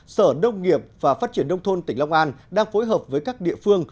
sở đông nghiệp và phát triển đông thôn tỉnh long an đang phối hợp với các địa phương